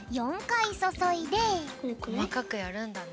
こまかくやるんだね。